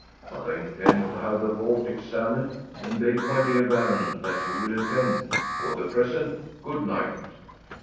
But I intend to have the vault examined, and beg, my dear baron, that you will attend. For the present, good night.